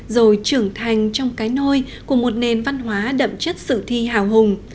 rồi trưởng thành trong cái nôi của một nền văn hóa đậm chất sự thi hào hùng